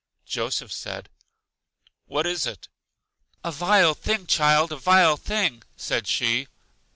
Joseph said, What is it? A vile thing, child, a vile thing! said she.